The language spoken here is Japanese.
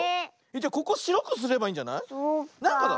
じゃここしろくすればいいんじゃない？そっかあ。